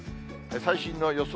最新の予想